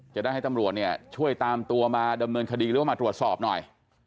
จะได้ให้ตำรวจเนี่ยช่วยตามตัวมาดำเนินคดีหรือว่ามาตรวจสอบหน่อย